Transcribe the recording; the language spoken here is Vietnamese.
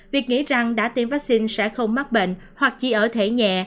việc nghĩ rằng đã tiêm vaccine sẽ không mắc bệnh hoặc chỉ ở thể nhẹ